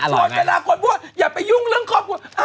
โธ่จะรักกว่าอย่ายุ่งเรื่องครอบครัว